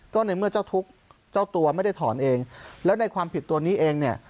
ก็ในเมื่อเจ้าทุกข์เจ้าตัวไม่ได้ถอนเองแล้วในความผิดตัวนี้เองเนี่ย